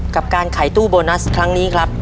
กับการขายตู้โบนัสครั้งนี้ครับ